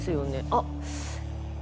あっ。